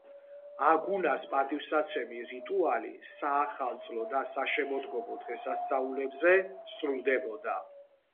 აგუნას პატივსაცემი რიტუალი საახალწლო და საშემოდგომო დღესასწაულებზე სრულდებოდა.